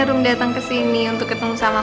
rum datang kesini untuk ketemu sama